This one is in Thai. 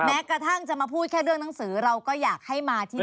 แม้กระทั่งจะมาพูดแค่เรื่องหนังสือเราก็อยากให้มาที่